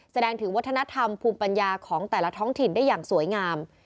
แสดงถึงวัฒนธรรมภูมิปัญญาของแต่ละท้องถิ่นได้อย่างสวยงาม